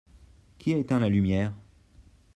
Qui a éteint la lumière ?